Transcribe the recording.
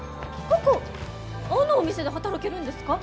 あのお店で働けるんですか？